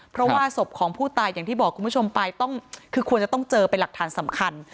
เพราะว่าศพของผู้ตายอย่างที่บอกคุณผู้ชมไปต้องคือควรจะต้องเจอเป็นหลักฐานสำคัญ